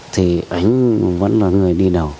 thì anh ấy vẫn là người đi đầu